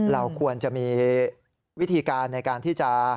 เราควรจะมีวิธีการในการที่จะ